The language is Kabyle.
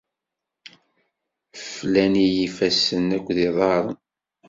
Flan-iyi ifassen akked yiḍarren.